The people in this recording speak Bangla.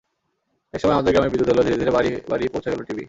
একসময় আমাদের গ্রামে বিদ্যুৎ এল, ধীরে ধীরে বাড়ি বাড়ি পৌঁছে গেল টিভি।